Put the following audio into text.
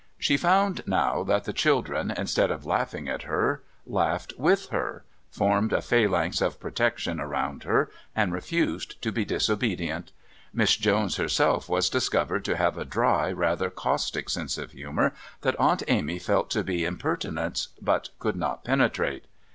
She found now that the children instead of laughing at her laughed with her, formed a phalanx of protection around her and refused to be disobedient. Miss Jones herself was discovered to have a dry, rather caustic, sense of humour that Aunt Amy felt to be impertinence, but could not penetrate.